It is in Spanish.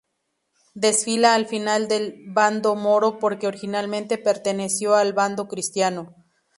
Desfila al final del bando moro porque originalmente perteneció al bando cristiano.